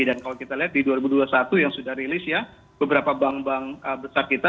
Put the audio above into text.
dan kalau kita lihat di dua ribu dua puluh satu yang sudah rilis ya beberapa bank bank besar kita